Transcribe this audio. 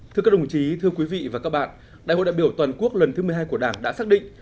thưa các đồng chí thưa quý vị và các bạn đại hội đại biểu toàn quốc lần thứ một mươi hai của đảng đã xác định